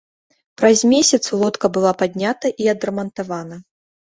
Праз месяц лодка была паднята і адрамантавана.